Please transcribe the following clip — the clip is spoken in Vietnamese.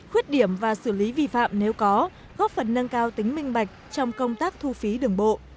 khuyết điểm và xử lý vi phạm nếu có góp phần nâng cao tính minh bạch trong công tác thu phí đường bộ